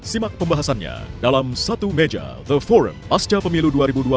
simak pembahasannya dalam satu meja the forum pasca pemilu dua ribu dua puluh